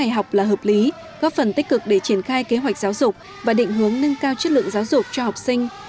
học là hợp lý góp phần tích cực để triển khai kế hoạch giáo dục và định hướng nâng cao chất lượng giáo dục cho học sinh